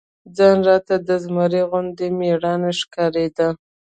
ځان راته د زمري غوندي مېړنى ښکارېده.